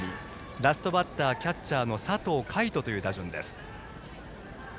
ラストバッター、キャッチャーの佐藤海斗という打順。